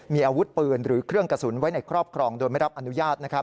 มีอาวุธปืนหรือเครื่องกระสุนไว้ในครอบครองโดยไม่รับอนุญาต